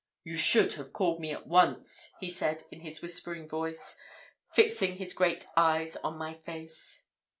"'You should have called me at once,' he said in his whispering voice, fixing his great eyes on my face.